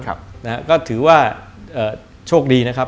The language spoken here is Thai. ก็ถือว่าโชคดีนะครับ